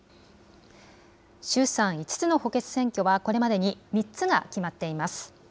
衆参５つの補欠選挙はこれまでに３つが決まっています。